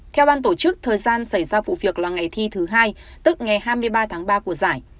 theo ban tổ chức thời gian xảy ra vụ việc là ngày thi thứ hai tức ngày hai mươi ba tháng ba của giải